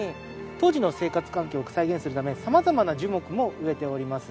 当時の生活環境を再現するために様々な樹木も植えております。